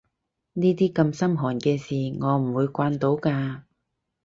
呢啲咁心寒嘅事我唔會慣到㗎